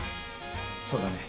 そうだね。